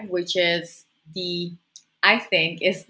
lima yang saya pikir adalah